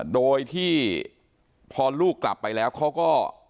โดยที่พอลูกกลับไปแล้วเขาก็